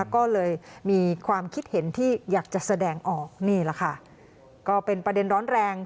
ก็เลยมีความคิดเห็นที่อยากจะแสดงออกนี่แหละค่ะก็เป็นประเด็นร้อนแรง